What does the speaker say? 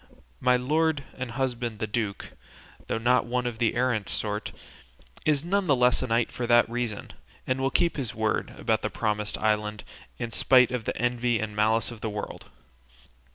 My lord and husband the duke, though not one of the errant sort, is none the less a knight for that reason, and will keep his word about the promised island, in spite of the envy and malice of the world.